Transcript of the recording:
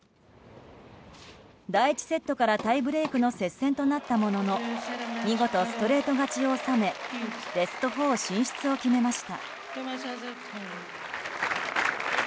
第１セットからタイブレークの接戦となったものの見事ストレート勝ちを収めベスト４進出を決めました。